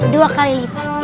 dua kali lipat